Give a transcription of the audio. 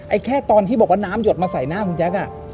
แค่ตอนที่บอกว่าน้ำหยดมาใส่หน้าคุณแจ๊ค